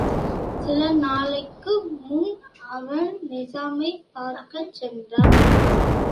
சில நாளைக்கு முன் அவன் நிசாமைப் பார்க்கச் சென்றான்.